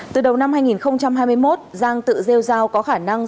từ đầu năm hai nghìn hai mươi một giang tự rêu giao có khả năng